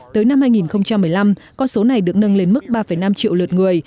tới năm hai nghìn một mươi năm con số này được nâng lên mức ba năm triệu lượt người